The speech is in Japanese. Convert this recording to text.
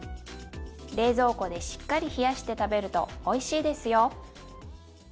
冷蔵庫でしっかり冷やして食べるとおいしいですよ。